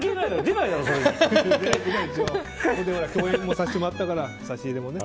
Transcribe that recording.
共演もさせてもらったから差し入れもね。